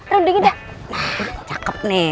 rendingin dah nah cakep nih